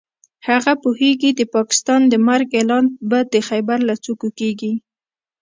هغه پوهېږي د پاکستان د مرګ اعلان به د خېبر له څوکو کېږي.